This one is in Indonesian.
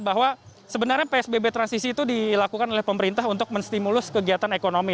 bahwa sebenarnya psbb transisi itu dilakukan oleh pemerintah untuk menstimulus kegiatan ekonomi